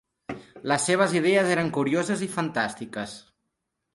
Les seves idees eren curioses i fantàstiques.